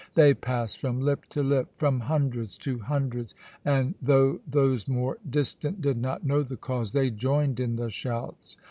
They passed from lip to lip, from hundreds to hundreds and, though those more distant did not know the cause, they joined in the shouts.